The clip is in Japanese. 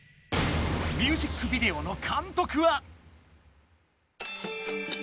ミュージックビデオの監督は。